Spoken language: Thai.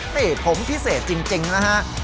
นี่ผมพิเศษจริงนะฮะ